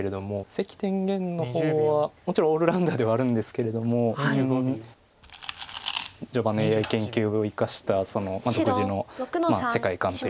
関天元の方はもちろんオールラウンダーではあるんですけれども序盤のＡＩ研究を生かした独自の世界観というか。